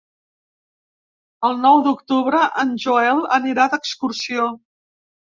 El nou d'octubre en Joel anirà d'excursió.